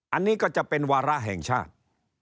อันนี้ก็จะเป็นวาระแห่งชาติ